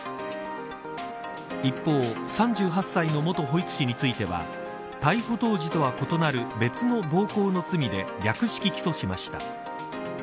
一方、３８歳の元保育士については逮捕当時とは異なる別の暴行の罪で略式起訴しました。